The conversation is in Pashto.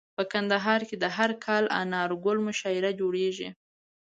په کندهار کي هر کال انارګل مشاعره جوړیږي.